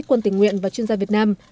quân tình nguyện và chuyên gia việt nam